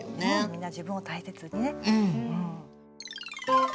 みんな自分を大切にね。